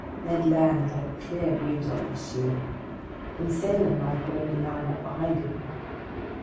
Ned Land had clear views on the issue. Conseil and I could only line up behind him.